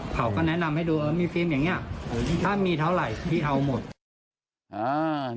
เขาก็แนะนำให้ดูมีฟิล์มอย่างนี้ถ้ามีเท่าไหร่พี่เอาหมด